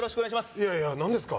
いやいや何ですか？